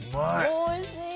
おいしい。